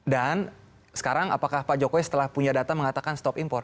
dan sekarang apakah pak jokowi setelah punya data mengatakan stop impor